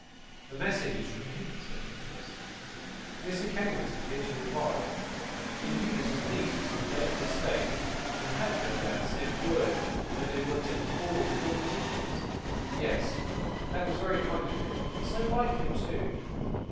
'The message is from him,' said Nicholas. Mr. Kenwigs appeared to revive. He knew that his niece was in a delicate state, and had, no doubt, sent word that they were to forward full particulars. Yes. That was very kind of him; so like him too!